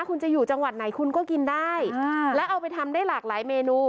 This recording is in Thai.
คุณจะอยู่จังหวัดไหนคุณก็กินได้แล้วเอาไปทำได้หลากหลายเมนู